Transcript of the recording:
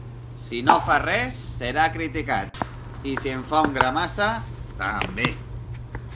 Si no fa res, serà criticat; i si en fa un gra massa, també.